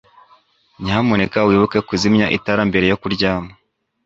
Nyamuneka wibuke kuzimya itara mbere yo kuryama